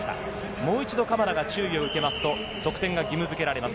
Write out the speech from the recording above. もう一度、注意を受けますと得点が義務づけられます。